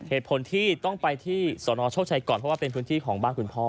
เหตุผลที่ต้องไปที่สนโชคชัยก่อนเพราะว่าเป็นพื้นที่ของบ้านคุณพ่อ